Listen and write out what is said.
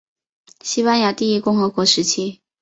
西班牙第一共和国时期。